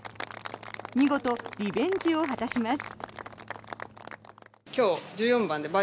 見事、リベンジを果たします。